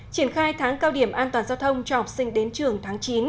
triển khai tháng cao điểm an toàn giao thông cho học sinh đến trường tháng chín